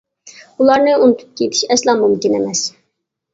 ئۇلارنى ئۇنتۇپ كېتىش ئەسلا مۇمكىن ئەمەس.